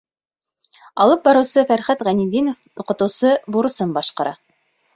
Алып барыусы Фәрхәт Ғәйнетдинов уҡытыусы бурысын башҡара.